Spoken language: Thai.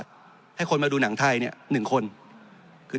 จริงโครงการนี้มันเป็นภาพสะท้อนของรัฐบาลชุดนี้ได้เลยนะครับ